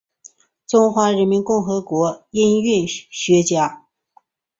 中华人民共和国音韵学家。